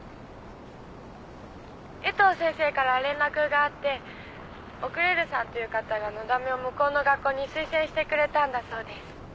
江藤先生から連絡があってオクレールさんという方がのだめを向こうの学校に推薦してくれたんだそうです。